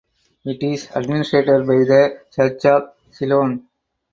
It is administered by the Church of Ceylon.